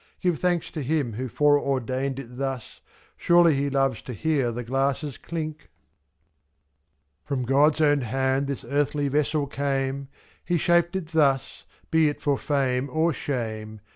7/. Give thanks to Him who foreordained it thus — Surely He loves to hear the glasses clink !" 48 From God's own hand this earthly vessel came. He shaped it thus, be it for fame or shame; ^Z.